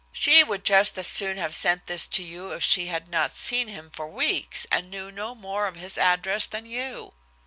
She would just as soon have sent this to you if she had not seen him for weeks, and knew no more of his address than you."